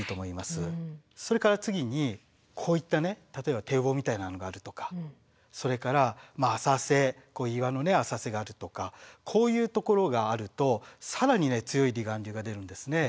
それから次にこういった例えば堤防みたいなのがあるとかそれから浅瀬岩の浅瀬があるとかこういうところがあると更に強い離岸流が出るんですね。